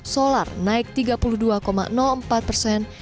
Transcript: solar naik tiga puluh dua empat persen